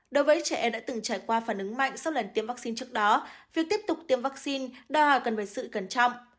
đối với trẻ em đã từng trải qua phản ứng mạnh sau lần tiêm vaccine trước đó việc tiếp tục tiêm vaccine đòi hỏi cần phải sự cẩn trọng